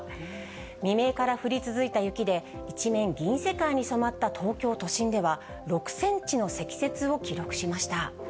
未明から降り続いた雪で、一面銀世界に染まった東京都心では、６センチの積雪を記録しました。